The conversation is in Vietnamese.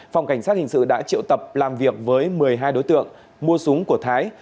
phòng cảnh sát hình sự đã triệu tập làm việc với một mươi hai đối tượng mua súng của thái